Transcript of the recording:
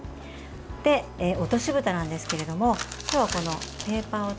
落としぶたなんですけれども今日はペーパーを使って。